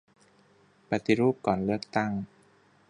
ปฏิรูปก่อนเลือกตั้ง